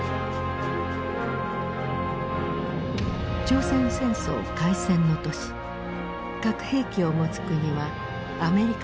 朝鮮戦争開戦の年核兵器を持つ国はアメリカとソ連の２か国。